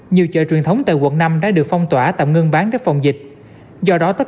nhiều chợ truyền thống tại quận năm đã được phong tỏa tạm ngưng bán để phòng dịch do đó tất